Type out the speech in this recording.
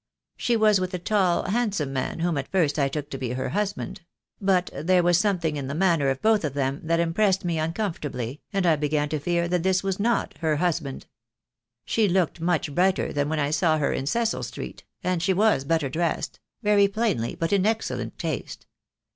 She was with a tall, handsome man, whom at first I took to be her husband: but there was something in the manner of both of them that impressed me uncomfortably, and I began to fear that this was not her husband. She looked much brighter than when I saw her in Cecil Street, and she was better dressed — very plainly, but in excellent taste.